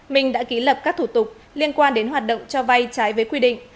mình đã kỷ lập các thủ tục liên quan đến hoạt động cho vay trái với quy định